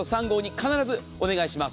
必ずお願いします。